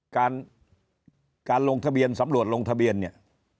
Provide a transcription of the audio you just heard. การการลงทะเบียนสำรวจลงทะเบียนเนี่ย